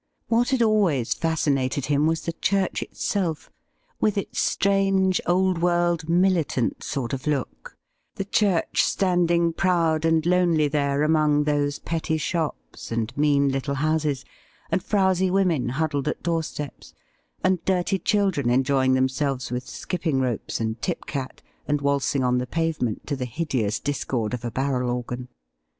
What had always fascinated him was the church itself, with its strange, old world, militant sort of look, the church standing proud and lonely there among those petty shops and mean little houses, and frowzy women huddled at doorsteps, and dirty children enjoying themselves with skipping ropes and tip cat, and waltzing on the pavement to the hideous discord of a barrel organ.